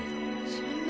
そんな